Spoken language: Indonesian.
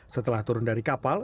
setelah turun dari kapal